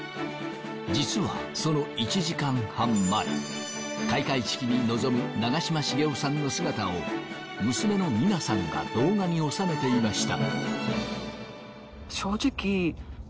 実はその１時間半前開会式に臨む長嶋茂雄さんの姿を娘の三奈さんが動画に収めていました。